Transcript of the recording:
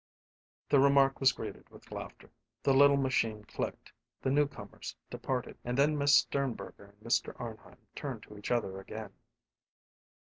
The remark was greeted with laughter. The little machine clicked, the new comers departed, and then Miss Sternberger and Mr. Arnheim turned to each other again.